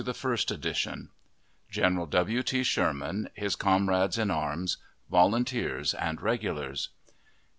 Sherman GENERAL W. T. SHERMAN HIS COMRADES IN ARMS, VOLUNTEERS AND REGULARS.